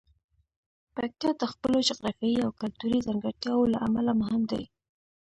پکتیا د خپلو جغرافیايي او کلتوري ځانګړتیاوو له امله مهم دی.